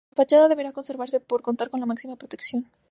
La fachada deberá conservarse por contar con la máxima protección.